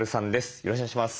よろしくお願いします。